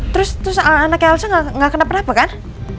terus anaknya elsa nggak kena kenapa kenapa kan